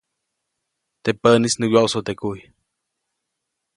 Teʼ päʼnis nä wyoʼsu teʼ kuy.